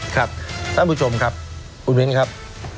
ครับท่านผู้ชมครับคุณมิ้นครับ